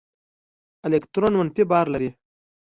الکترون منفي بار لري.